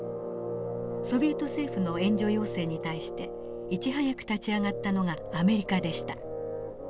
ソビエト政府の援助要請に対していち早く立ち上がったのがアメリカでした。